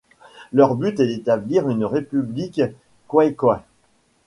Leur but est d'établir une république Khoikhoi.